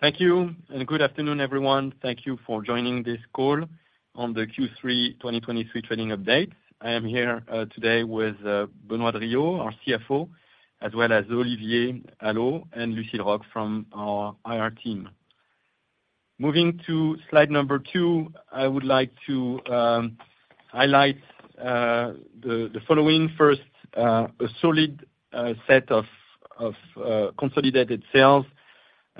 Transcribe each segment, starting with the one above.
Thank you, and good afternoon, everyone. Thank you for joining this call on the Q3 2023 trading update. I am here today with Benoît Drillaud, our CFO, as well as Olivier Allot and Lucile Roch from our IR team. Moving to slide 2, I would like to highlight the following. First, a solid set of consolidated sales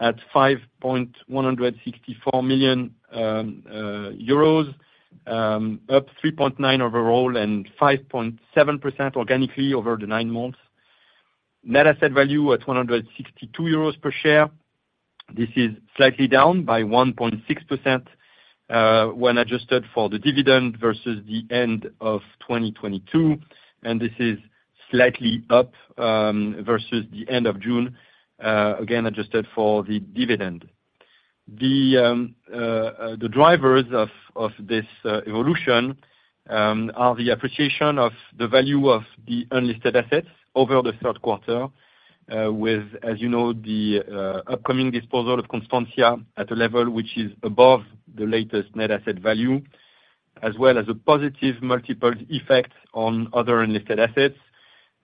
at 516.4 million euros, up 3.9% overall and 5.7% organically over the nine months. Net asset value at 162 euros per share. This is slightly down by 1.6% when adjusted for the dividend versus the end of 2022, and this is slightly up versus the end of June again, adjusted for the dividend. The drivers of this evolution are the appreciation of the value of the unlisted assets over the third quarter, with, as you know, the upcoming disposal of Constantia at a level which is above the latest net asset value, as well as a positive multiple effect on other unlisted assets,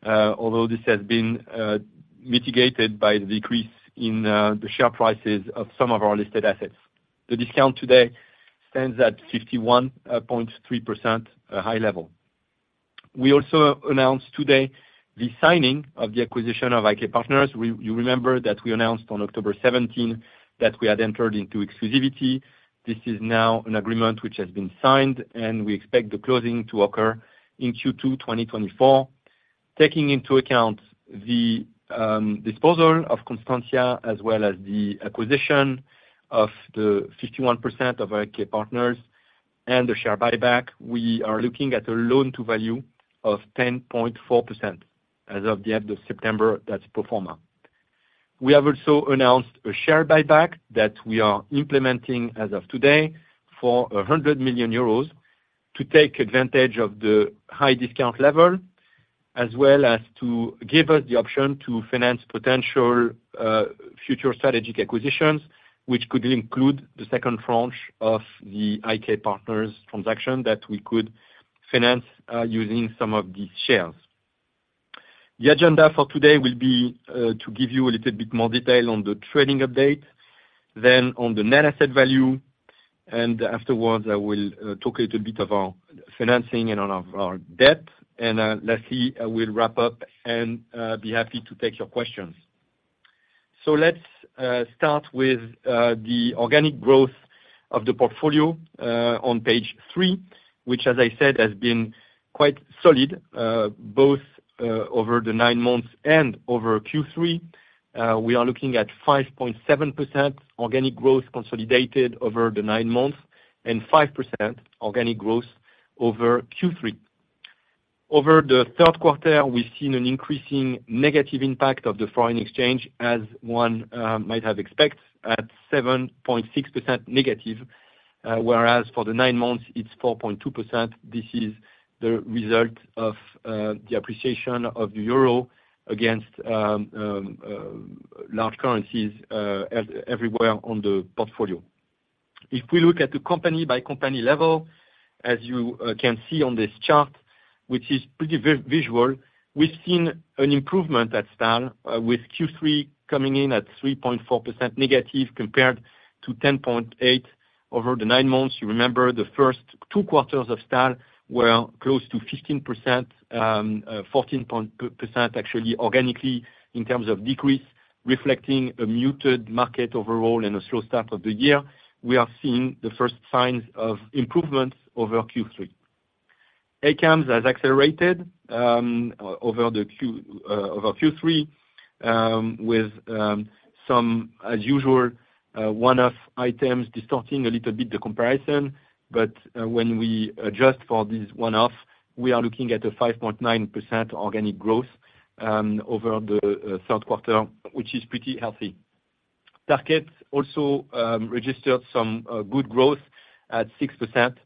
although this has been mitigated by the decrease in the share prices of some of our listed assets. The discount today stands at 51.3%, a high level. We also announced today the signing of the acquisition of IK Partners. You remember that we announced on October 17 that we had entered into exclusivity. This is now an agreement which has been signed, and we expect the closing to occur in Q2 2024. Taking into account the disposal of Constantia, as well as the acquisition of the 51% of IK Partners and the share buyback, we are looking at a loan-to-value of 10.4% as of the end of September, that's pro forma. We have also announced a share buyback that we are implementing as of today for 100 million euros to take advantage of the high discount level, as well as to give us the option to finance potential future strategic acquisitions, which could include the second tranche of the IK Partners transaction that we could finance using some of these shares. The agenda for today will be to give you a little bit more detail on the trading update, then on the net asset value, and afterwards, I will talk a little bit about financing and on our debt. Lastly, I will wrap up and be happy to take your questions. Let's start with the organic growth of the portfolio on page three, which, as I said, has been quite solid, both over the nine months and over Q3. We are looking at 5.7% organic growth consolidated over the nine months, and 5% organic growth over Q3. Over the third quarter, we've seen an increasing negative impact of the foreign exchange, as one might have expected, at 7.6% negative, whereas for the nine months, it's 4.2%. This is the result of the appreciation of the euro against large currencies everywhere on the portfolio. If we look at the company by company level, as you can see on this chart, which is pretty visual, we've seen an improvement at Stahl, with Q3 coming in at 3.4% negative, compared to 10.8 over the nine months. You remember, the first two quarters of Stahl were close to 15%, actually, 14% organically in terms of decrease, reflecting a muted market overall and a slow start of the year. We are seeing the first signs of improvements over Q3. ACAMS has accelerated over Q3, with some, as usual, one-off items distorting a little bit the comparison, but when we adjust for this one-off, we are looking at a 5.9% organic growth over the third quarter, which is pretty healthy. Tarkett also registered some good growth at 6%,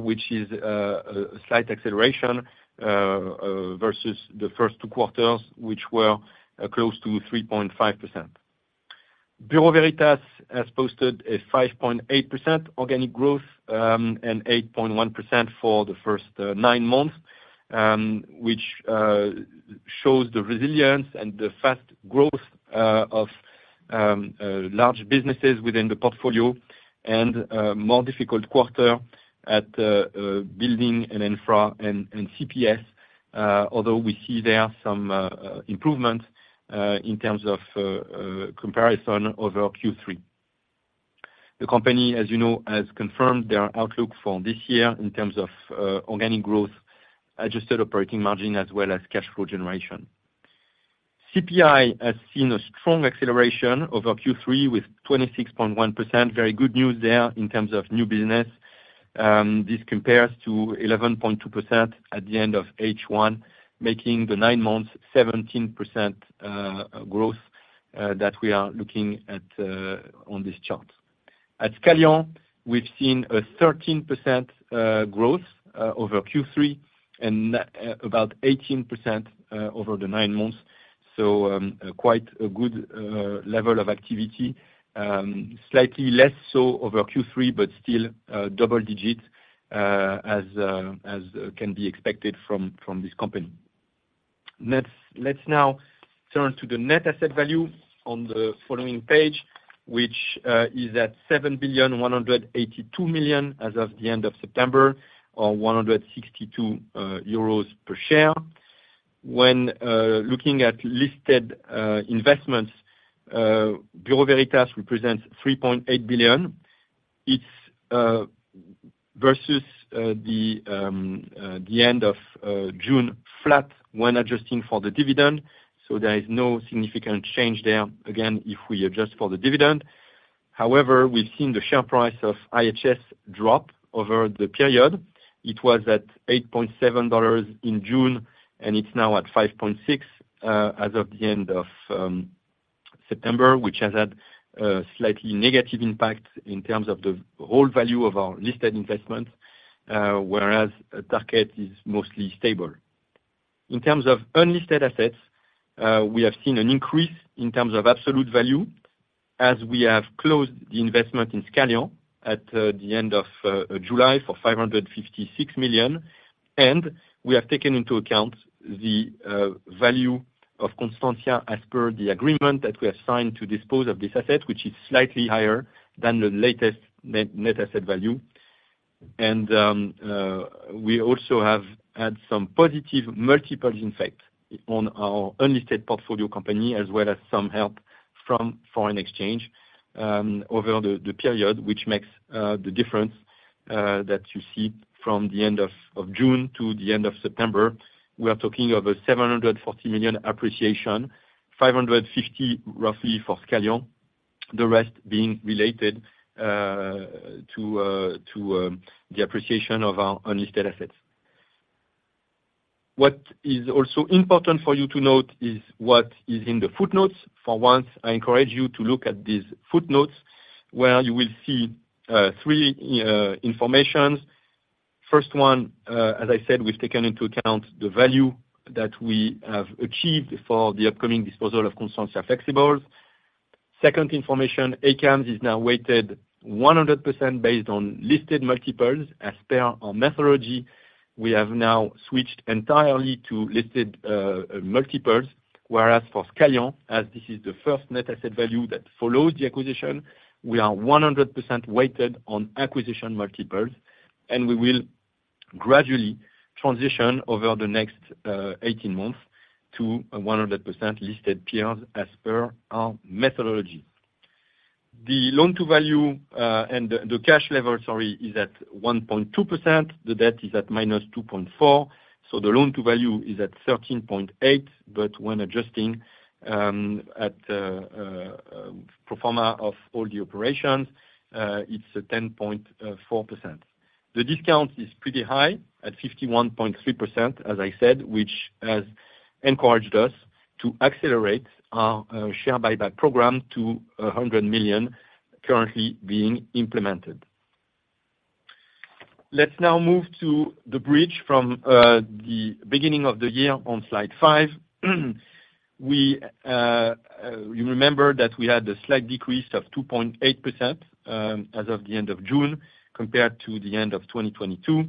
which is a slight acceleration versus the first two quarters, which were close to 3.5%. Bureau Veritas has posted a 5.8% organic growth, and 8.1% for the first nine months, which shows the resilience and the fast growth of large businesses within the portfolio, and more difficult quarter at the building and infra and CPS, although we see there some improvements in terms of comparison over Q3. The company, as you know, has confirmed their outlook for this year in terms of organic growth, adjusted operating margin, as well as cash flow generation. CPI has seen a strong acceleration over Q3 with 26.1%, very good news there in terms of new business. This compares to 11.2% at the end of H1, making the nine months 17% growth that we are looking at on this chart. At Scalian, we've seen a 13% growth over Q3, and about 18% over the nine months. So, quite a good level of activity. Slightly less so over Q3, but still, double digits as can be expected from this company. Let's now turn to the net asset value on the following page, which is at 7.182 billion as of the end of September, or 162 euros per share. When looking at listed investments, Bureau Veritas represents 3.8 billion. It's versus the end of June, flat when adjusting for the dividend, so there is no significant change there, again, if we adjust for the dividend. However, we've seen the share price of IHS drop over the period. It was at $8.70 in June, and it's now at $5.6 as of the end of September, which has had a slightly negative impact in terms of the whole value of our listed investments, whereas Tarkett is mostly stable. In terms of unlisted assets, we have seen an increase in terms of absolute value as we have closed the investment in Scalian at the end of July for 556 million. We have taken into account the value of Constantia as per the agreement that we have signed to dispose of this asset, which is slightly higher than the latest net asset value. And we also have had some positive multiples effect on our unlisted portfolio company, as well as some help from foreign exchange over the period, which makes the difference that you see from the end of June to the end of September. We are talking of a 740 million appreciation, 550, roughly, for Scalian, the rest being related to the appreciation of our unlisted assets. What is also important for you to note is what is in the footnotes. For once, I encourage you to look at these footnotes, where you will see three information. First one, as I said, we've taken into account the value that we have achieved for the upcoming disposal of Constantia Flexibles. Second information, ACAMS is now weighted 100% based on listed multiples. As per our methodology, we have now switched entirely to listed multiples, whereas for Scalian, as this is the first net asset value that follows the acquisition, we are 100% weighted on acquisition multiples, and we will gradually transition over the next 18 months to a 100% listed peers as per our methodology. The loan-to-value and the cash level, sorry, is at 1.2%. The debt is at -2.4, so the loan-to-value is at 13.8. But when adjusting, at pro forma of all the operations, it's at 10.4%. The discount is pretty high, at 51.3%, as I said, which has encouraged us to accelerate our share buyback program to 100 million currently being implemented. Let's now move to the bridge from the beginning of the year on slide five. You remember that we had a slight decrease of 2.8%, as of the end of June, compared to the end of 2022.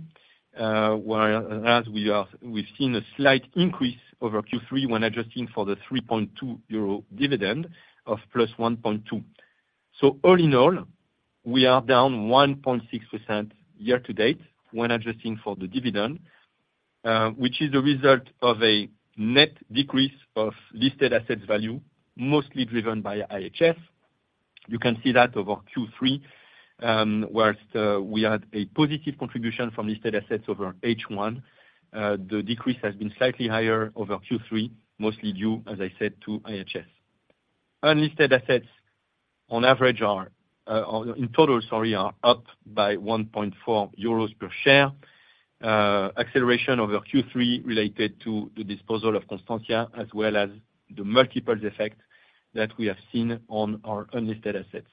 We've seen a slight increase over Q3 when adjusting for the 3.2 euro dividend of +1.2. So all in all, we are down 1.6% year to date when adjusting for the dividend, which is a result of a net decrease of listed assets value, mostly driven by IHS. You can see that over Q3, while we had a positive contribution from listed assets over H1, the decrease has been slightly higher over Q3, mostly due, as I said, to IHS. Unlisted assets, on average, are, or in total, sorry, are up by 1.4 euros per share. Acceleration over Q3 related to the disposal of Constantia, as well as the multiples effect that we have seen on our unlisted assets.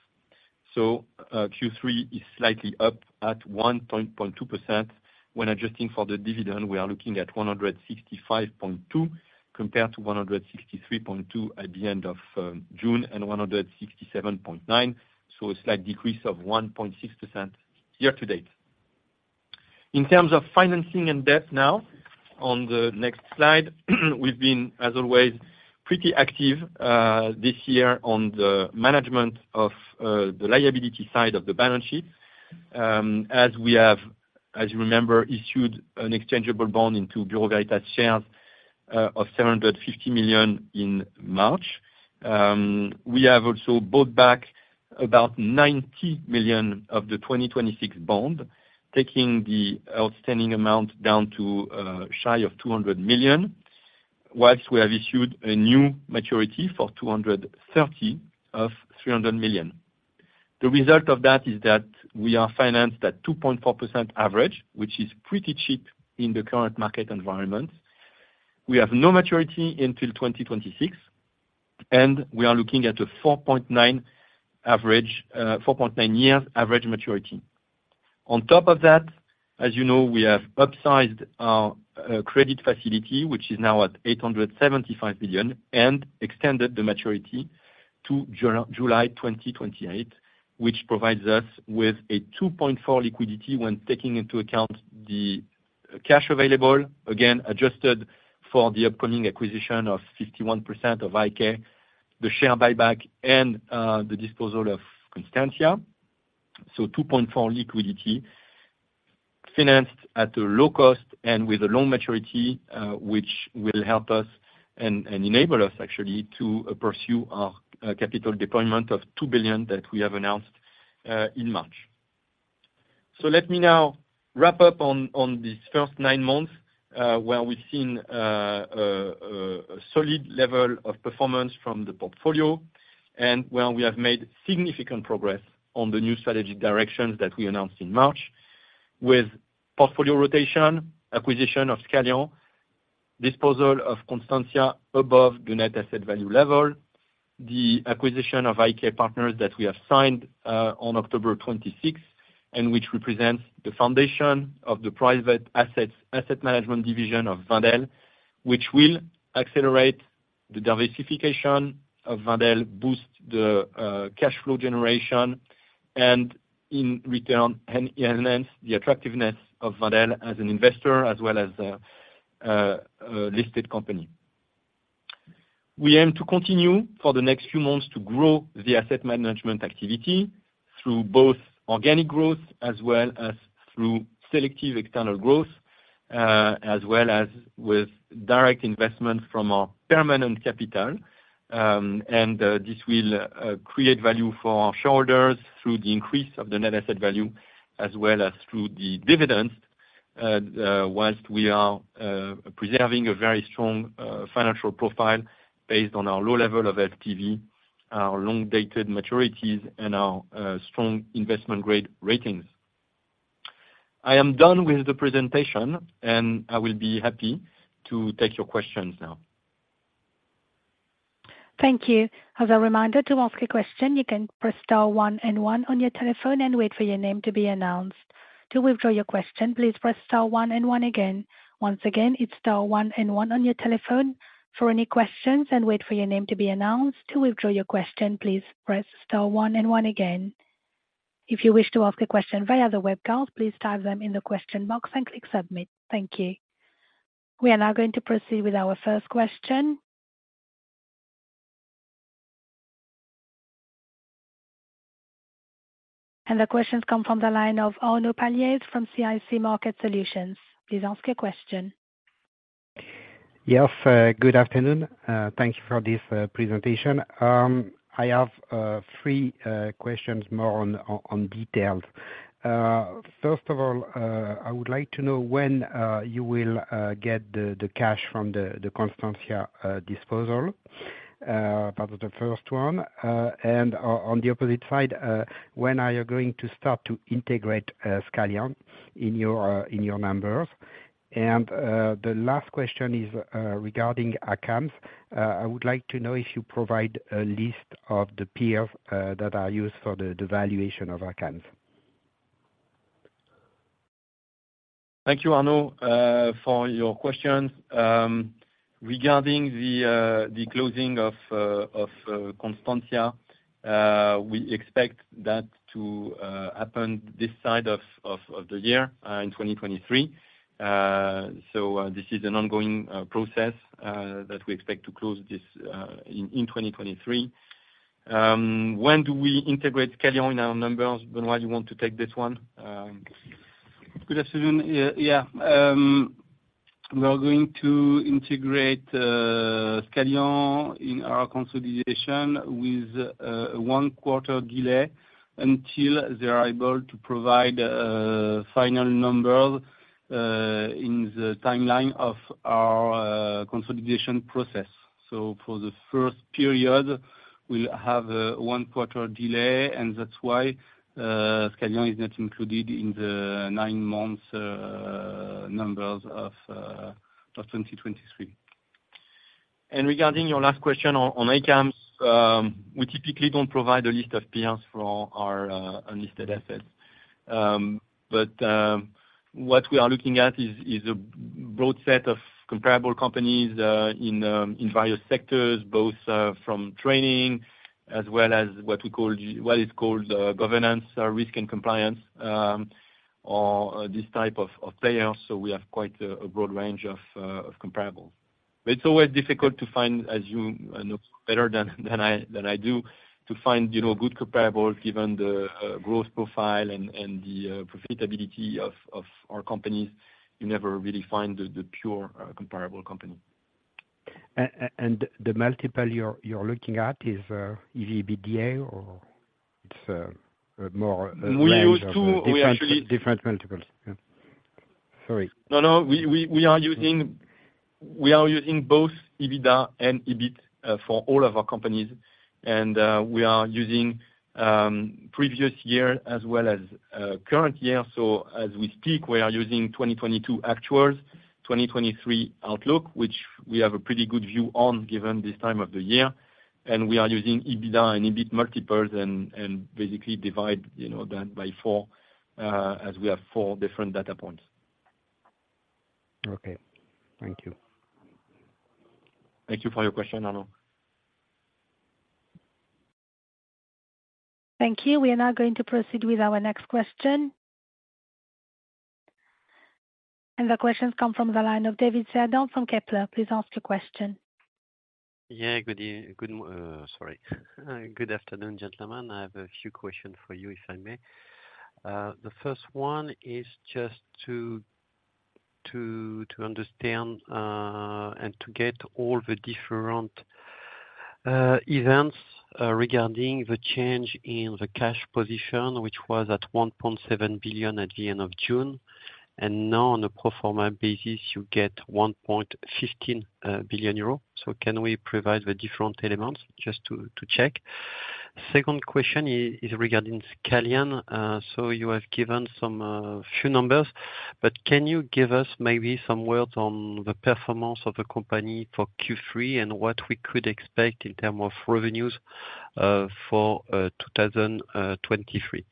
So, Q3 is slightly up at 1.2%. When adjusting for the dividend, we are looking at 165.2 EUR, compared to 163.2 EUR at the end of June, and 167.9 EUR, so a slight decrease of 1.6% year to date. In terms of financing and debt now, on the next slide, we've been, as always, pretty active, this year on the management of, the liability side of the balance sheet. As we have, as you remember, issued an exchangeable bond into Bureau Veritas shares, of 750 million in March. We have also bought back about 90 million of the 2026 bond, taking the outstanding amount down to, shy of 200 million, whilst we have issued a new maturity for 230 of 300 million. The result of that is that we are financed at 2.4% average, which is pretty cheap in the current market environment. We have no maturity until 2026, and we are looking at a 4.9 average, 4.9 years average maturity. On top of that, as you know, we have upsized our credit facility, which is now at 875 million, and extended the maturity to July 2028, which provides us with a 2.4 liquidity when taking into account the cash available, again, adjusted for the upcoming acquisition of 51% of IK, the share buyback, and the disposal of Constantia. So 2.4 liquidity, financed at a low cost and with a loan maturity, which will help us and enable us actually to pursue our capital deployment of 2 billion that we have announced in March. So let me now wrap up on these first nine months, a solid level of performance from the portfolio, and where we have made significant progress on the new strategy directions that we announced in March, with portfolio rotation, acquisition of Scalian, disposal of Constantia above the net asset value level, the acquisition of IK Partners that we have signed on October twenty-sixth, and which represents the foundation of the private assets, asset management division of Wendel, which will accelerate the diversification of Wendel, boost the cash flow generation, and in return, enhance the attractiveness of Wendel as an investor, as well as a listed company. We aim to continue for the next few months to grow the asset management activity through both organic growth, as well as through selective external growth, as well as with direct investment from our permanent capital. This will create value for our shareholders through the increase of the net asset value, as well as through the dividends. Whilst we are preserving a very strong financial profile based on our low level of LTV, our long-dated maturities, and our strong investment-grade ratings. I am done with the presentation, and I will be happy to take your questions now. Thank you. As a reminder, to ask a question, you can press star one and one on your telephone and wait for your name to be announced. To withdraw your question, please press star one and one again. Once again, it's star one and one on your telephone for any questions, and wait for your name to be announced. To withdraw your question, please press star one and one again. If you wish to ask a question via the webcast, please type them in the question box and click submit. Thank you. We are now going to proceed with our first question. The question comes from the line of Arnaud Palliez from CIC Market Solutions. Please ask your question. Yes, good afternoon. Thank you for this presentation. I have three questions more on details. First of all, I would like to know when you will get the cash from the Constantia disposal? And on the opposite side, when are you going to start to integrate Scalian in your numbers? And the last question is regarding ACAMS. I would like to know if you provide a list of the peers that are used for the valuation of ACAMS. Thank you, Arnaud, for your questions. Regarding the closing of Constantia, we expect that to happen this side of the year, in 2023. So, this is an ongoing process that we expect to close this in 2023. When do we integrate Scalian in our numbers? Benoît, you want to take this one? Good afternoon. Yeah, yeah. We are going to integrate Scalian in our consolidation with one quarter delay, until they are able to provide final numbers in the timeline of our consolidation process. So for the first period, we'll have one quarter delay, and that's why Scalian is not included in the nine months numbers of 2023. And regarding your last question on ACAMS, we typically don't provide a list of peers for our unlisted assets. But what we are looking at is a broad set of comparable companies in various sectors, both from training as well as what we call G- what is called governance, risk and compliance, or this type of players. So we have quite a broad range of comparable. But it's always difficult to find, as you know better than I do, to find, you know, good comparables given the growth profile and the profitability of our companies. You never really find the pure comparable company. And the multiple you're looking at is EV/EBITDA, or it's more range of- We actually-... different, different multiples? Yeah.... No, no, we are using both EBITDA and EBIT for all of our companies. And we are using previous year as well as current year. So as we speak, we are using 2022 actuals, 2023 outlook, which we have a pretty good view on, given this time of the year. And we are using EBITDA and EBIT multiples and basically divide, you know, that by four, as we have four different data points. Okay. Thank you. Thank you for your question, Arnaud. Thank you. We are now going to proceed with our next question. The question comes from the line of David Cerdan from Kepler Cheuvreux. Please ask your question. Yeah. Good afternoon, gentlemen. I have a few questions for you, if I may. The first one is just to understand and to get all the different events regarding the change in the cash position, which was at 1.7 billion at the end of June, and now on a pro forma basis, you get 1.15 billion euro. So can we provide the different elements just to check? Second question is regarding Scalian. So you have given some few numbers, but can you give us maybe some words on the performance of the company for Q3, and what we could expect in term of revenues for 2023?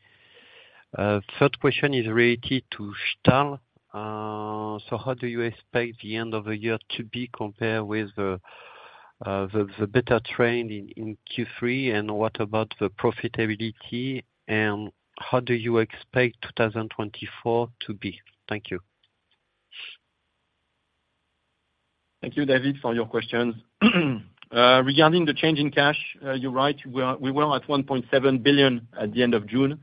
Third question is related to Stahl. So how do you expect the end of the year to be compared with the better trend in Q3, and what about the profitability, and how do you expect 2024 to be? Thank you. Thank you, David, for your questions. Regarding the change in cash, you're right, we were at 1.7 billion at the end of June.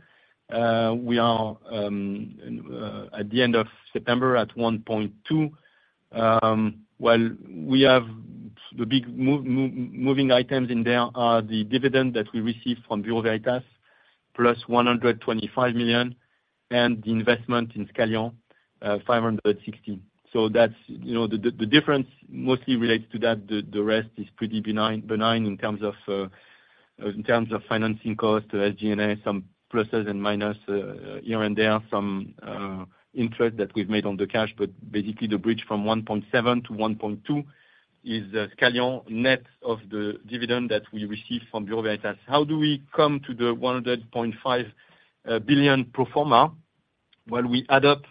We are at the end of September, at 1.2 billion. Well, we have the big moving items in there, are the dividend that we received from Bureau Veritas, plus 125 million, and the investment in Scalian, 560 million. So that's, you know, the difference mostly relates to that. The rest is pretty benign, benign in terms of financing cost, SG&A, some pluses and minuses here and there. Some interest that we've made on the cash. Basically, the bridge from 1.7 to 1.2 is Scalian, net of the dividend that we received from Bureau Veritas. How do we come to the 1.5 billion pro forma? Well, we add up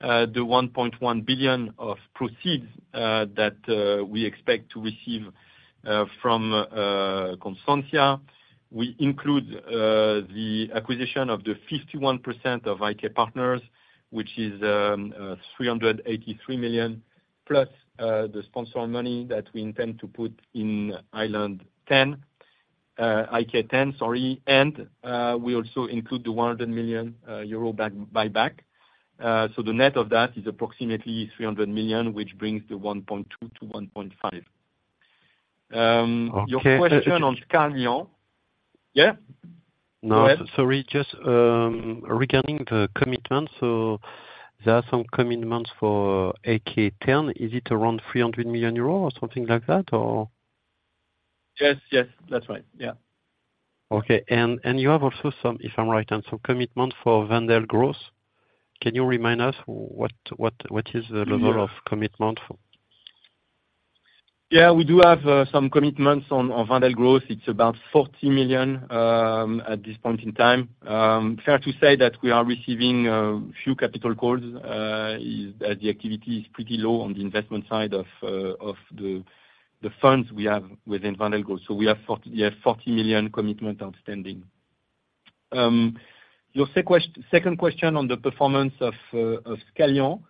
the 1.1 billion of proceeds that we expect to receive from Constantia. We include the acquisition of the 51% of IK Partners, which is 383 million plus the sponsor money that we intend to put in Ireland 10, IK 10, sorry, and we also include the 100 million euro buyback. The net of that is approximately 300 million, which brings the 1.2 to 1.5. Okay. Your question on Scalian. Yeah? No, sorry, just, regarding the commitment, so there are some commitments for IK ten. Is it around 300 million euros or something like that, or? Yes, yes, that's right. Yeah. Okay. And you have also some, if I'm right, on some commitment for Wendel Growth, can you remind us what is the level? Yeah. of commitment for? Yeah, we do have some commitments on Wendel Growth. It's about 40 million at this point in time. Fair to say that we are receiving few capital calls, as the activity is pretty low on the investment side of the funds we have within Wendel Growth. So we have 40, yeah, 40 million commitment outstanding. Your second question on the performance of Scalian.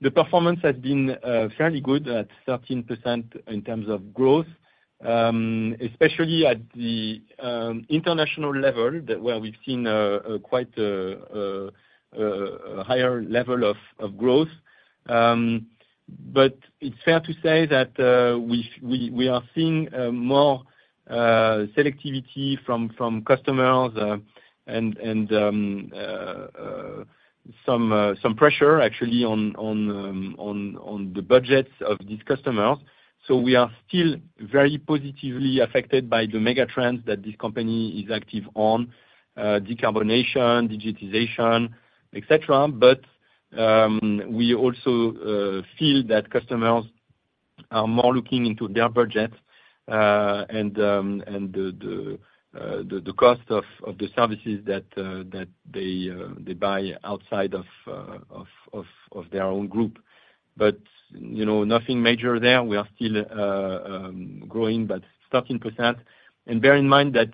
The performance has been fairly good, at 13% in terms of growth, especially at the international level, that's where we've seen a higher level of growth. But it's fair to say that we are seeing more selectivity from customers and some pressure actually on the budgets of these customers. So we are still very positively affected by the mega trends that this company is active on, decarbonization, digitization, et cetera. But we also feel that customers are more looking into their budget and the cost of the services that they buy outside of their own group. But, you know, nothing major there. We are still growing, but 13%. Bear in mind that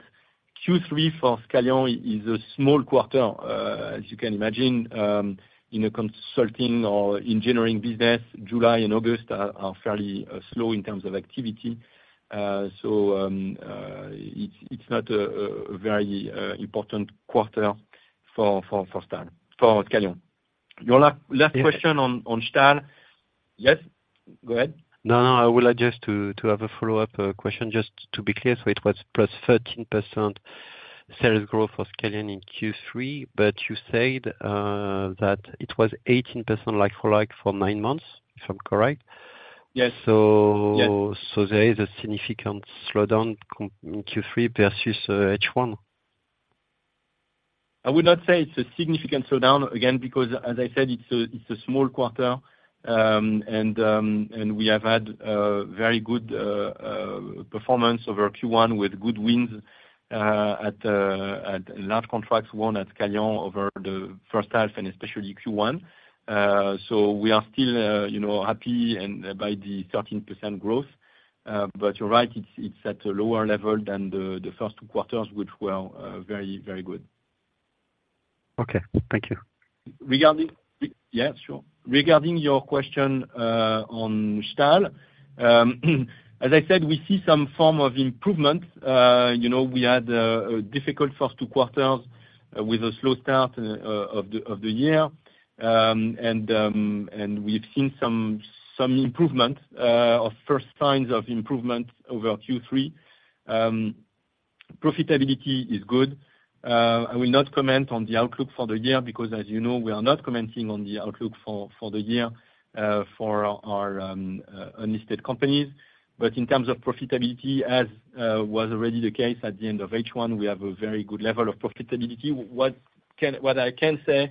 Q3 for Scalian is a small quarter, as you can imagine, in a consulting or engineering business, July and August are fairly slow in terms of activity. So, it's not a very important quarter for Stahl, for Scalian. Your last question on Stahl. Yes?... Go ahead. No, no, I would like just to, to have a follow-up question, just to be clear. So it was +13% sales growth of Scalian in Q3, but you said that it was 18% like for like for nine months, if I'm correct? Yes. So- Yes. There is a significant slowdown in Q3 versus H1? I would not say it's a significant slowdown, again, because as I said, it's a small quarter. And we have had a very good performance over Q1 with good wins at large contracts, won at Scalian over the first half and especially Q1. So we are still, you know, happy with the 13% growth. But you're right, it's at a lower level than the first two quarters, which were very, very good. Okay, thank you. Regarding... Yeah, sure. Regarding your question on Stahl. As I said, we see some form of improvement. You know, we had a difficult first two quarters with a slow start of the year. And we've seen some improvement or first signs of improvement over Q3. Profitability is good. I will not comment on the outlook for the year, because as you know, we are not commenting on the outlook for the year for our unlisted companies. But in terms of profitability, as was already the case at the end of H1, we have a very good level of profitability. What I can say is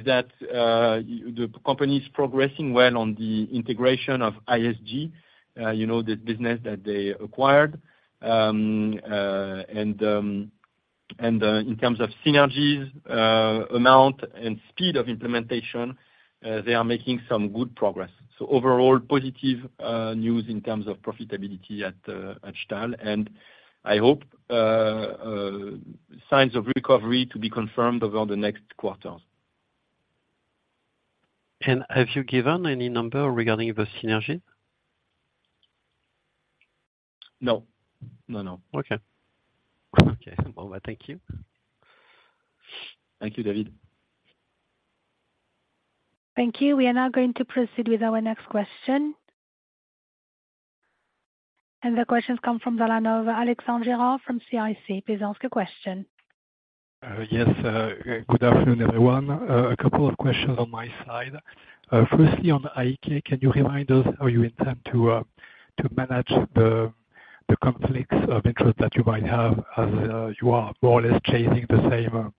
that the company's progressing well on the integration of ISG, you know, the business that they acquired. In terms of synergies, amount and speed of implementation, they are making some good progress. So overall, positive news in terms of profitability at Stahl, and I hope signs of recovery to be confirmed over the next quarters. Have you given any number regarding the synergy? No. No, no. Okay. Okay, well, thank you. Thank you, David. Thank you. We are now going to proceed with our next question. The question comes from the line of Alexandre Gerard from CIC, please ask your question. Yes, good afternoon, everyone. A couple of questions on my side. Firstly, on IK, can you remind us how you intend to manage the conflicts of interest that you might have, as you are more or less chasing the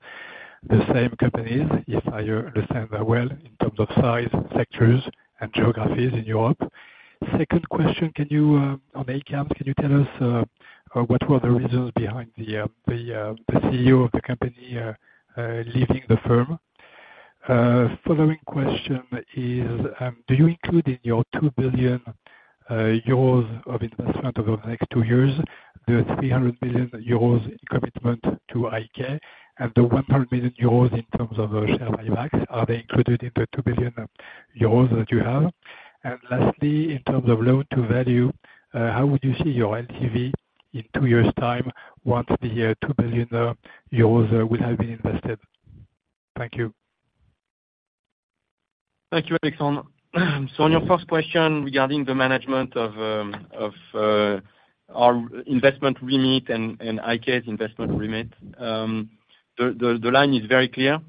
same companies, if I understand that well, in terms of size and sectors and geographies in Europe? Second question, on ACAMS, can you tell us what were the reasons behind the CEO of the company leaving the firm? Following question is, do you include in your 2 billion euros of investment over the next 2 years, the 300 million euros commitment to IK, and the 100 million euros in terms of share buybacks, are they included in the 2 billion euros that you have? And lastly, in terms of loan to value, how would you see your LTV in 2 years' time, once the 2 billion euros will have been invested? Thank you. Thank you, Alexandre. So on your first question regarding the management of our investment remit and IK's investment remit, the line is very clear.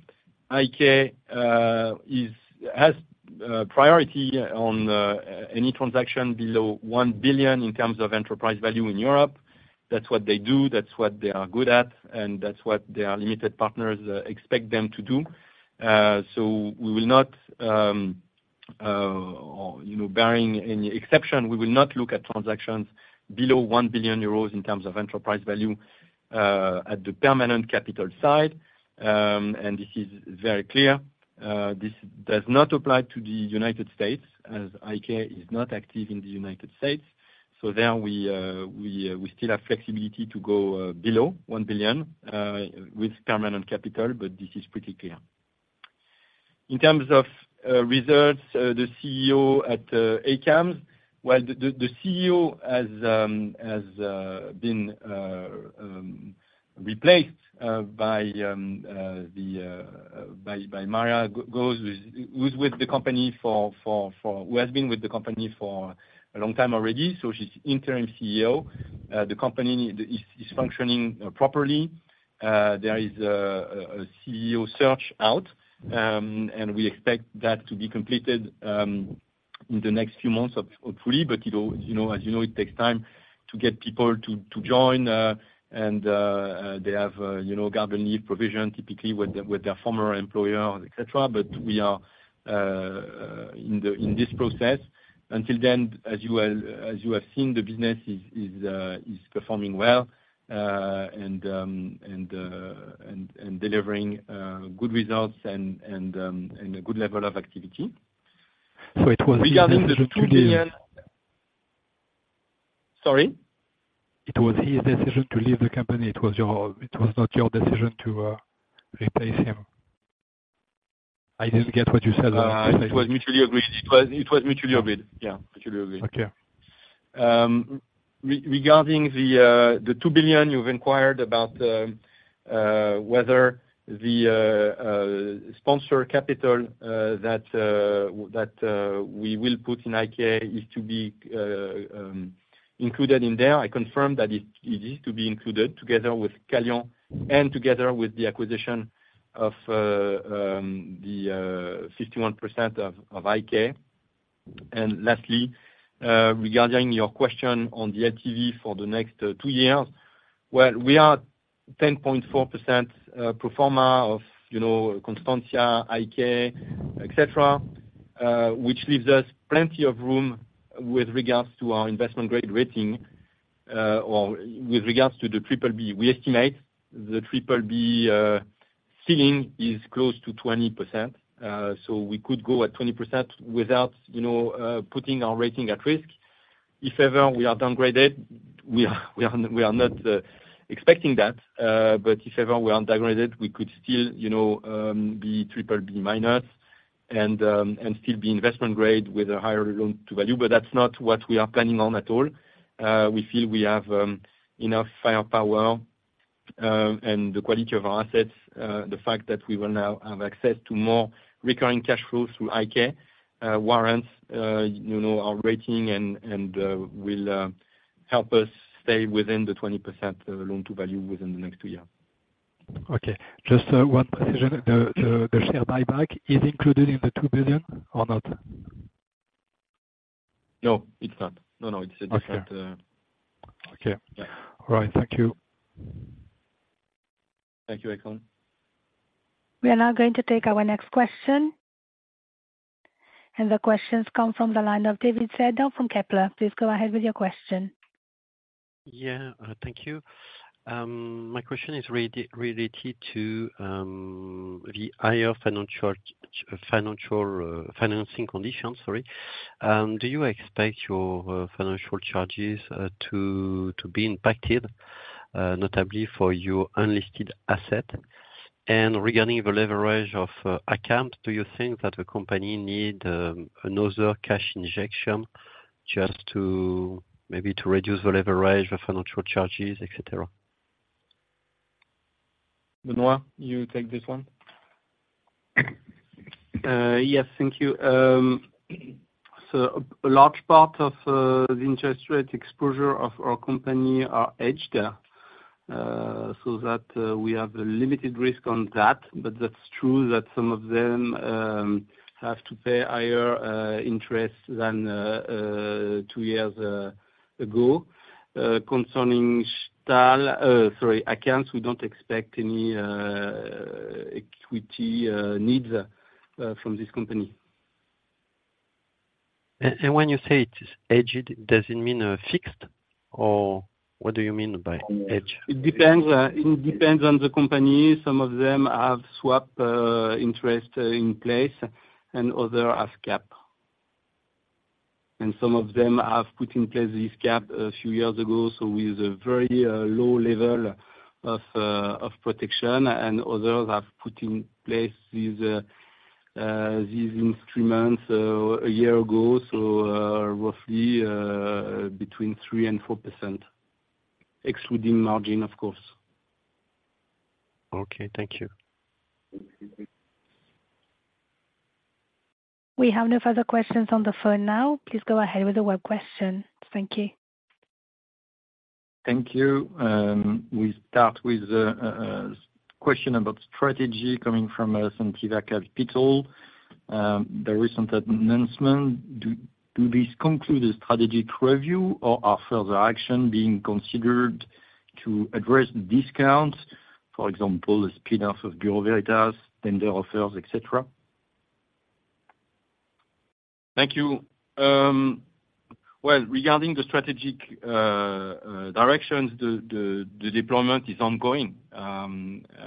IK has priority on any transaction below 1 billion in terms of enterprise value in Europe. That's what they do, that's what they are good at, and that's what their limited partners expect them to do. So we will not, you know, barring any exception, we will not look at transactions below 1 billion euros in terms of enterprise value at the permanent capital side. And this is very clear. This does not apply to the United States, as IK is not active in the United States. So there we still have flexibility to go below 1 billion with permanent capital, but this is pretty clear. In terms of results, the CEO at ACAMS, well, the CEO has been replaced by Mariah Gause, who has been with the company for a long time already, so she's interim CEO. The company is functioning properly. There is a CEO search out, and we expect that to be completed in the next few months, hopefully. But it will, you know, as you know, it takes time to get people to join, and they have, you know, governing provision, typically with their former employer, et cetera. But we are in this process. Until then, as you will, as you have seen, the business is performing well, and delivering good results and a good level of activity. It was his decision to leave? Sorry? It was his decision to leave the company? It was your, it was not your decision to replace him. I didn't get what you said about replacing him. It was mutually agreed. It was mutually agreed. Okay. Yeah, mutually agreed. Okay.... Regarding the 2 billion you've inquired about, whether the sponsor capital that we will put in IK is to be included in there, I confirm that it is to be included together with Scalian, and together with the acquisition of the 51% of IK. And lastly, regarding your question on the LTV for the next two years, well, we are 10.4% pro forma of, you know, Constantia, IK, et cetera, which leaves us plenty of room with regards to our investment grade rating or with regards to the triple B. We estimate the triple B ceiling is close to 20%. So we could go at 20% without, you know, putting our rating at risk. If ever we are downgraded, we are not expecting that, but if ever we are downgraded, we could still, you know, be triple B minus and still be investment grade with a higher loan to value. But that's not what we are planning on at all. We feel we have enough firepower and the quality of our assets, the fact that we will now have access to more recurring cash flows through IK warrants, you know, our rating and will help us stay within the 20% loan to value within the next two years. Okay. Just one precision. The share buyback is included in the 2 billion or not? No, it's not. No, no, it's a different, Okay. Yeah. All right. Thank you. Thank you, Eikon. We are now going to take our next question. And the question comes from the line of David Cerdan from Kepler Cheuvreux. Please go ahead with your question. Yeah, thank you. My question is related to the higher financial financing conditions, sorry. Do you expect your financial charges to be impacted notably for your unlisted asset? And regarding the leverage of ACAMS, do you think that the company need another cash injection just to maybe to reduce the leverage, the financial charges, et cetera? Benoît, you take this one. Yes, thank you. So a large part of the interest rate exposure of our company are hedged, so that we have a limited risk on that, but that's true that some of them have to pay higher interest than two years ago. Concerning Stahl, sorry, ACAMS, we don't expect any equity needs from this company. And when you say it is hedged, does it mean fixed, or what do you mean by hedged? It depends, it depends on the company. Some of them have swap interest in place, and others have cap. Some of them have put in place this cap a few years ago, with a very low level of protection, and others have put in place these instruments a year ago, so roughly between 3% and 4%, excluding margin, of course. Okay, thank you. We have no further questions on the phone now. Please go ahead with the web question. Thank you. Thank you. We start with a question about strategy coming from Centiva Capital. The recent announcement, does this conclude the strategic review, or are further action being considered to address the discounts? For example, the spinoff of Bureau Veritas, then the offers, et cetera. Thank you. Well, regarding the strategic directions, the deployment is ongoing.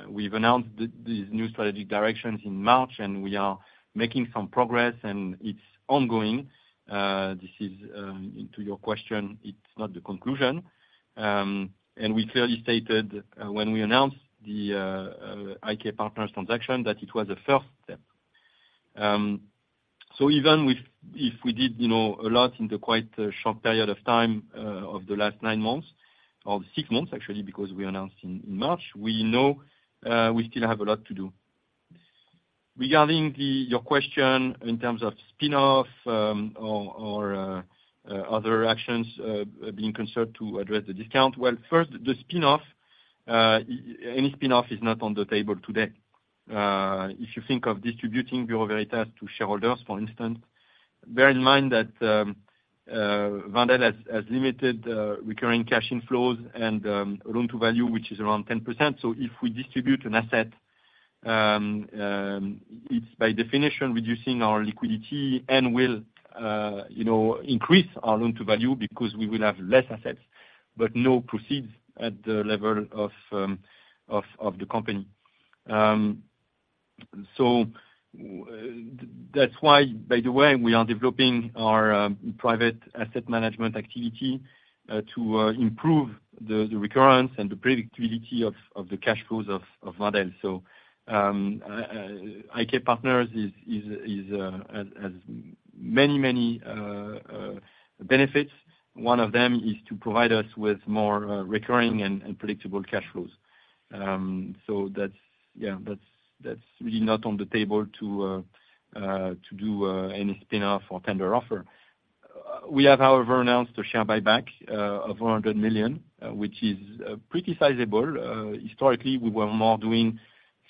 We've announced these new strategic directions in March, and we are making some progress, and it's ongoing. This is, to your question, it's not the conclusion. We clearly stated, when we announced the IK Partners transaction, that it was a first step. Even if we did, you know, a lot in the quite short period of time, of the last nine months, or six months, actually, because we announced in March, we know we still have a lot to do. Regarding your question in terms of spinoff, or other actions, being concerned to address the discount, well, first, the spinoff, any spinoff is not on the table today. If you think of distributing Bureau Veritas to shareholders, for instance, bear in mind that Wendel has limited recurring cash inflows and loan to value, which is around 10%. So if we distribute an asset, it's by definition reducing our liquidity and will, you know, increase our loan to value, because we will have less assets, but no proceeds at the level of the company. So that's why, by the way, we are developing our private asset management activity to improve the recurrence and the predictability of the cash flows of Wendel. So IK Partners has many, many benefits.... one of them is to provide us with more recurring and predictable cash flows. So that's, yeah, that's, that's really not on the table to, to do, any spin-off or tender offer. We have, however, announced a share buyback, of 100 million, which is, pretty sizable. Historically, we were more doing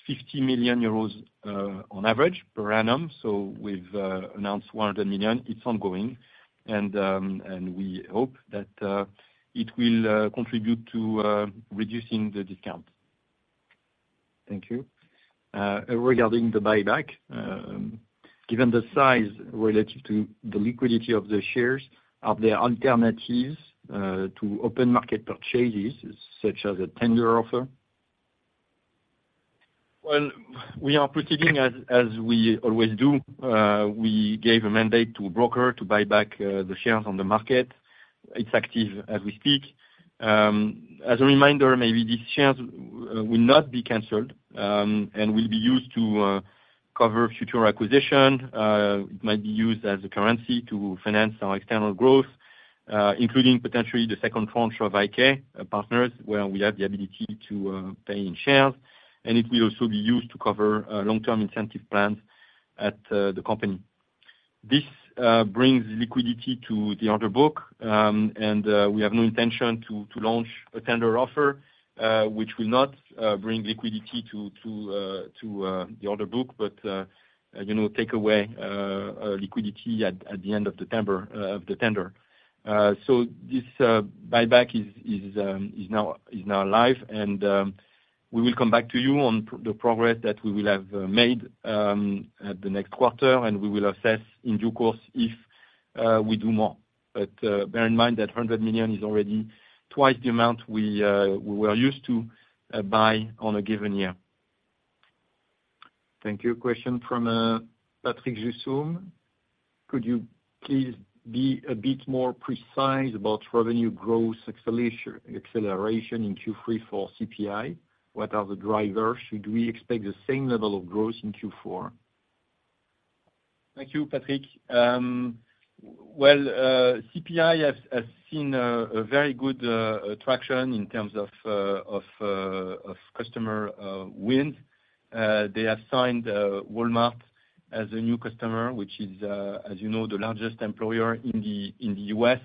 50 million euros, on average per annum. So we've, announced 100 million, it's ongoing, and, and we hope that, it will, contribute to, reducing the discount. Thank you. Regarding the buyback, given the size relative to the liquidity of the shares, are there alternatives to open market purchases, such as a tender offer? Well, we are proceeding as we always do. We gave a mandate to a broker to buy back the shares on the market. It's active as we speak. As a reminder, maybe these shares will not be canceled, and will be used to cover future acquisition. It might be used as a currency to finance our external growth, including potentially the second tranche of IK Partners, where we have the ability to pay in shares. And it will also be used to cover long-term incentive plans at the company. This brings liquidity to the order book. We have no intention to launch a tender offer, which will not bring liquidity to the order book, but, you know, take away liquidity at the end of the tender. So this buyback is now live, and we will come back to you on the progress that we will have made at the next quarter, and we will assess in due course if we do more. But bear in mind that 100 million is already twice the amount we were used to buy on a given year. Thank you. Question from Patrick Jousseaume: Could you please be a bit more precise about revenue growth acceleration in Q3 for CPI? What are the drivers? Should we expect the same level of growth in Q4? Thank you, Patrick. Well, CPI has seen a very good attraction in terms of of customer wins. They have signed Walmart as a new customer, which is, as you know, the largest employer in the U.S.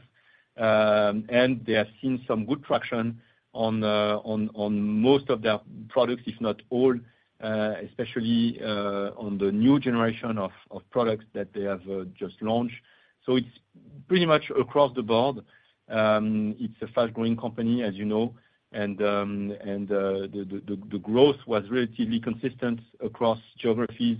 And they have seen some good traction on most of their products, if not all, especially on the new generation of products that they have just launched. So it's pretty much across the board. It's a fast-growing company, as you know, and the growth was relatively consistent across geographies,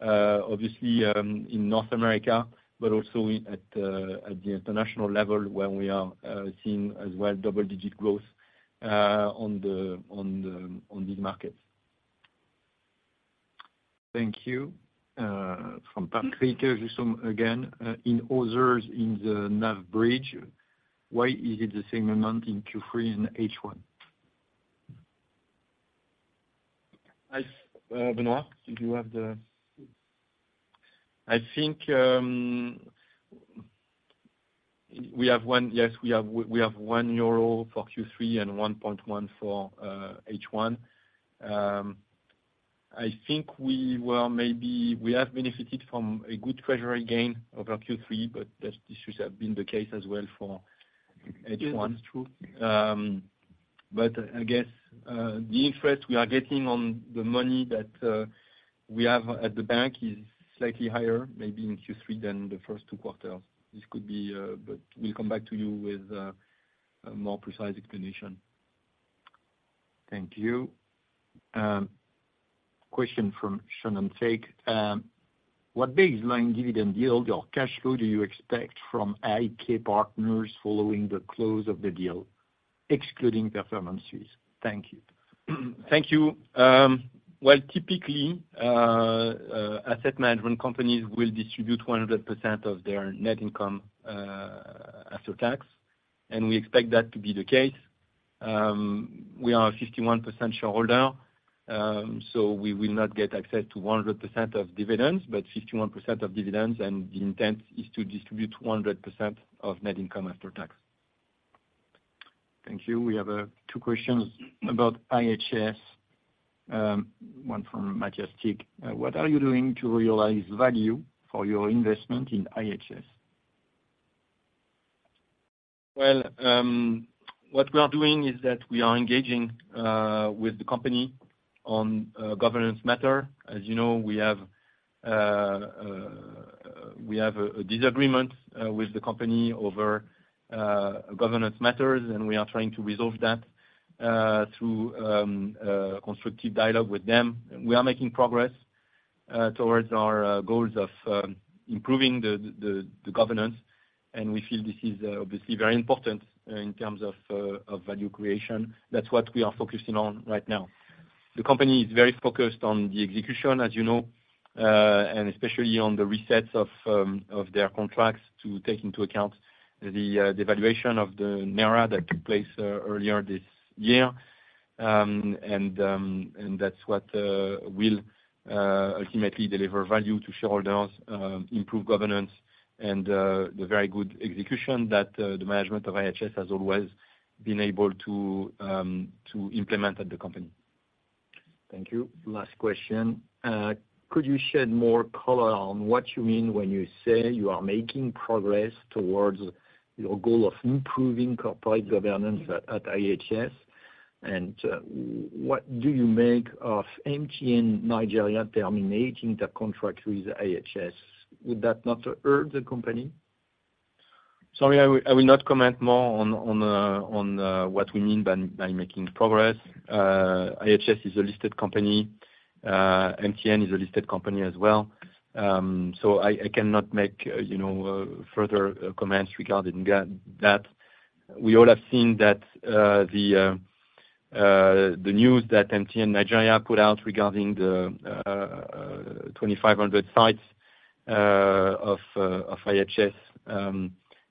obviously, in North America, but also at the international level, where we are seeing as well double-digit growth on these markets. Thank you. From Patrick Jousseaume again, in others, in the NAV bridge, why is it the same amount in Q3 and H1? I, Benoît, do you have the? I think we have 1 for Q3 and 1.1 for H1. I think we have benefited from a good treasury gain over Q3, but this should have been the case as well for H1. Yeah, that's true. But I guess the interest we are getting on the money we have at the bank is slightly higher, maybe in Q3 than the first two quarters. This could be, but we'll come back to you with a more precise explanation. Thank you. Question from Shannon Takei: What baseline dividend yield or cash flow do you expect from IK Partners following the close of the deal, excluding performances? Thank you. Thank you. Well, typically, asset management companies will distribute 100% of their net income, after tax, and we expect that to be the case. We are a 51% shareholder, so we will not get access to 100% of dividends, but 51% of dividends, and the intent is to distribute 100% of net income after tax. Thank you. We have two questions about IHS, one from Maj invest. What are you doing to realize value for your investment in IHS? Well, what we are doing is that we are engaging with the company on governance matter. As you know, we have a disagreement with the company over governance matters, and we are trying to resolve that through a constructive dialogue with them. We are making progress towards our goals of improving the governance, and we feel this is obviously very important in terms of value creation. That's what we are focusing on right now. The company is very focused on the execution, as you know, and especially on the resets of their contracts to take into account the valuation of the Naira that took place earlier this year.... And that's what will ultimately deliver value to shareholders, improve governance, and the very good execution that the management of IHS has always been able to implement at the company. Thank you. Last question. Could you shed more color on what you mean when you say you are making progress towards your goal of improving corporate governance at, at IHS? And, what do you make of MTN Nigeria terminating the contract with IHS? Would that not hurt the company? Sorry, I will not comment more on what we mean by making progress. IHS is a listed company, MTN is a listed company as well. So I cannot make you know further comments regarding that. We all have seen that the news that MTN Nigeria put out regarding the 2,500 sites of IHS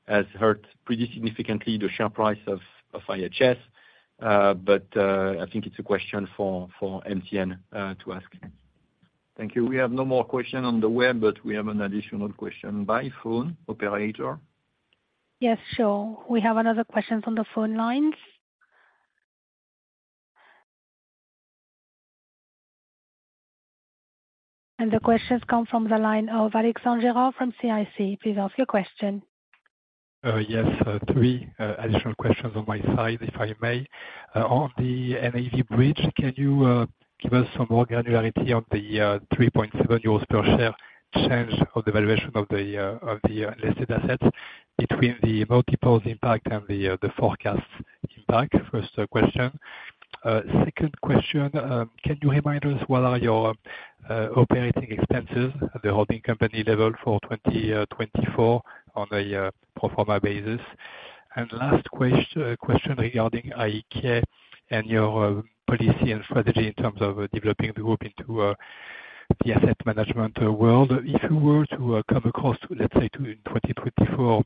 has hurt pretty significantly the share price of IHS. But I think it's a question for MTN to ask. Thank you. We have no more questions on the web, but we have an additional question by phone. Operator? Yes, sure. We have another question on the phone lines. The question comes from the line of Alexandre Girard from CIC. Please ask your question. Yes, three additional questions on my side, if I may. On the NAV bridge, can you give us some more granularity on the 3.7 euros per share change of the valuation of the listed assets between the multiples impact and the forecast impact? First question. Second question, can you remind us what are your operating expenses at the holding company level for 2024 on a pro forma basis? And last question regarding IK, and your policy and strategy in terms of developing the group into the asset management world. If you were to come across, let's say, in 2024,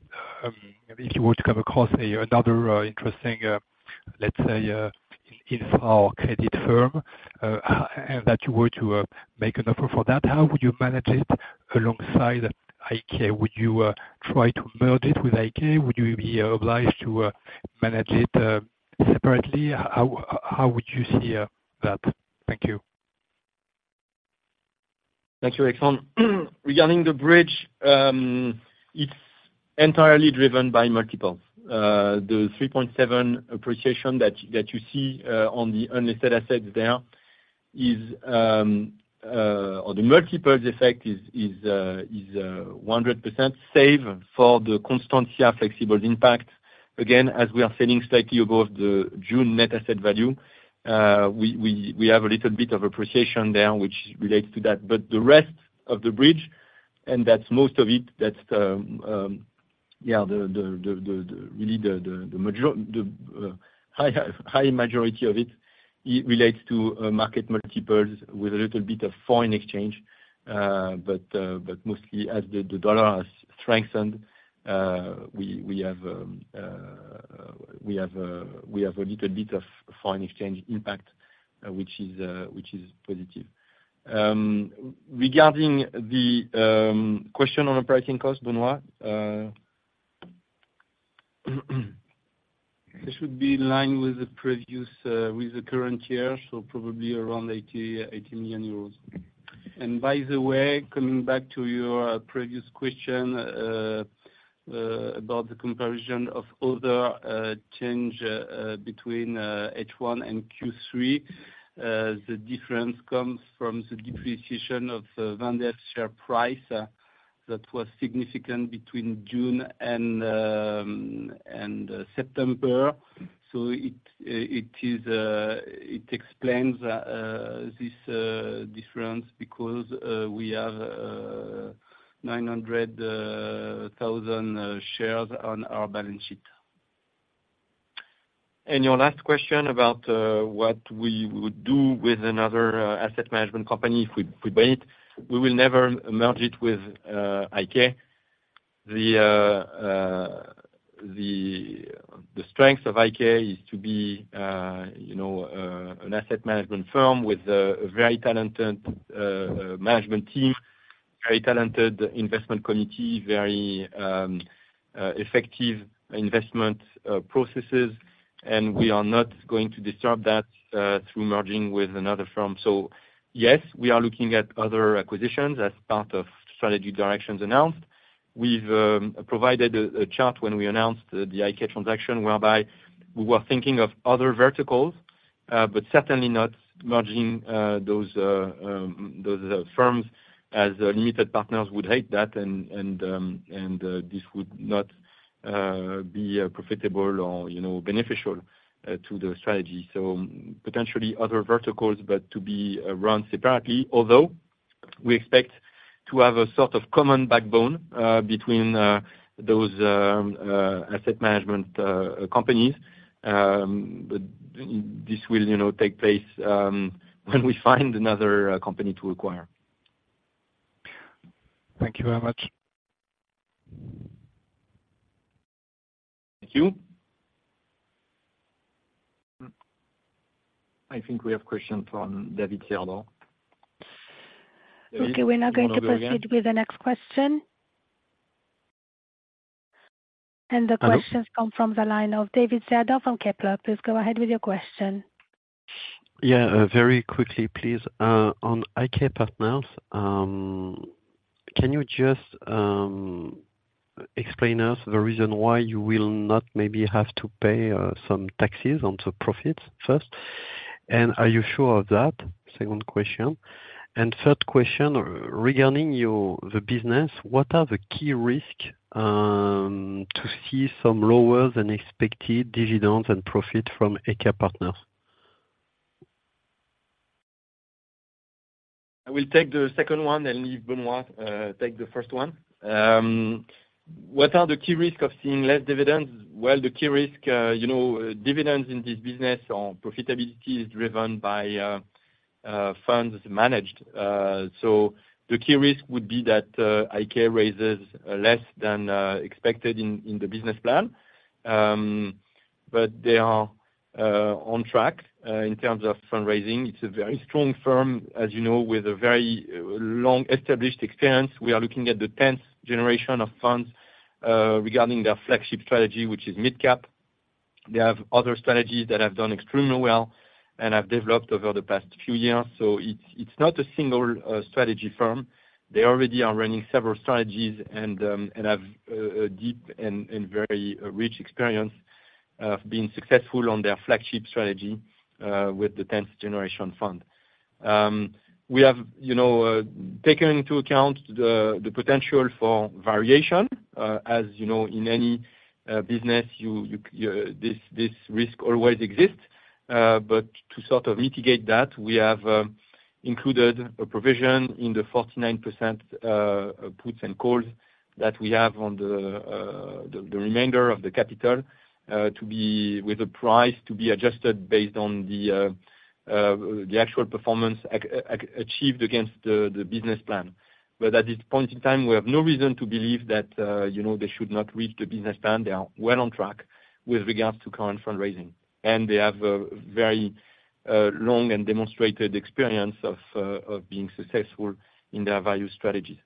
if you were to come across another interesting, let's say, infra credit firm, and that you were to make an offer for that, how would you manage it alongside IK Partners? Would you try to merge it with IK Partners? Would you be obliged to manage it separately? How would you see that? Thank you. Thank you, Alexandre. Regarding the bridge, it's entirely driven by multiples. The 3.7 appreciation that you see on the unlisted assets there is on the multiples effect is 100%, save for the Constantia Flexibles impact. Again, as we are selling slightly above the June net asset value, we have a little bit of appreciation there, which relates to that. But the rest of the bridge, and that's most of it, that's yeah, the really the major- the high majority of it relates to market multiples with a little bit of foreign exchange. But mostly as the US dollar has strengthened, we have a little bit of foreign exchange impact, which is positive. Regarding the question on operating costs, Benoît... It should be in line with the previous, with the current year, so probably around 80 million euros. By the way, coming back to your previous question about the comparison of other change between H1 and Q3, the difference comes from the depreciation of Wendel's share price that was significant between June and September. It explains this difference because we have 900,000 shares on our balance sheet. Your last question about what we would do with another asset management company if we buy it, we will never merge it with IK. The strength of IK is to be, you know, an asset management firm with a very talented management team, very talented investment committee, very effective investment processes. And we are not going to disturb that through merging with another firm. So yes, we are looking at other acquisitions as part of strategy directions announced. We've provided a chart when we announced the IKK transaction, whereby we were thinking of other verticals, but certainly not merging those firms, as limited partners would hate that, and this would not be profitable or, you know, beneficial to the strategy. So potentially other verticals, but to be run separately. Although, we expect to have a sort of common backbone between those asset management companies. But this will, you know, take place when we find another company to acquire. Thank you very much.... Thank you. I think we have question from David Cerdan. Okay, we're now going to proceed with the next question. The questions- Hello. Coming from the line of David Cerdan from Kepler. Please go ahead with your question. Yeah, very quickly, please, on IK Partners, can you just explain us the reason why you will not maybe have to pay some taxes on the profits first? And are you sure of that? Second question. And third question, regarding your, the business, what are the key risk to see some lower than expected dividends and profit from IK Partners? I will take the second one and leave Benoît take the first one. What are the key risks of seeing less dividends? Well, the key risk, you know, dividends in this business or profitability is driven by funds managed. So the key risk would be that IK raises less than expected in the business plan. But they are on track in terms of fundraising. It's a very strong firm, as you know, with a very long established experience. We are looking at the tenth generation of funds regarding their flagship strategy, which is mid-cap. They have other strategies that have done extremely well and have developed over the past few years, so it's not a single strategy firm. They already are running several strategies and have a deep and very rich experience of being successful on their flagship strategy with the tenth generation fund. We have, you know, taken into account the potential for variation, as you know, in any business, this risk always exists. But to sort of mitigate that, we have included a provision in the 49% puts and calls that we have on the remainder of the capital to be with the price to be adjusted based on the actual performance achieved against the business plan. But at this point in time, we have no reason to believe that, you know, they should not reach the business plan. They are well on track with regards to current fundraising, and they have a very long and demonstrated experience of being successful in their value strategy.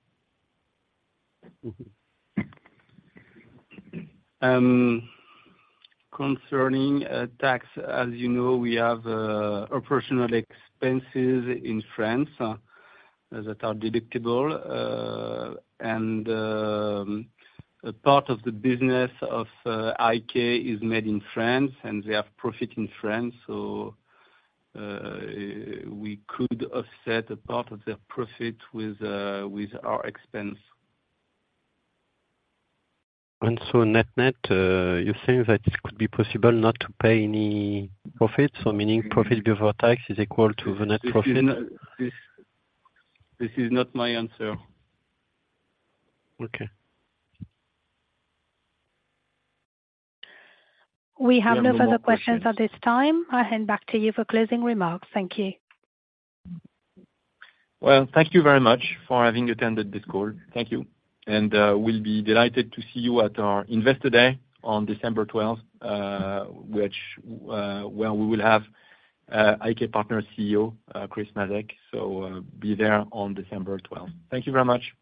Concerning, you know, tax, as you know, we have operational expenses in France that are deductible. A part of the business of IK is made in France, and they have profit in France, so we could offset a part of their profit with our expense. Net-net, you're saying that it could be possible not to pay any profits? So meaning, profit before tax is equal to the net profit. This is not my answer. Okay. We have no further questions at this time. I'll hand back to you for closing remarks. Thank you. Well, thank you very much for having attended this call. Thank you. And, we'll be delighted to see you at our Investor Day on December 12th, which, where we will have, IK Partners CEO, Christopher Masek. So, be there on December 12th. Thank you very much!